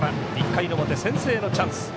１回の表先制のチャンス。